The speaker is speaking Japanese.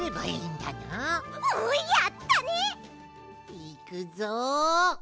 いくぞ！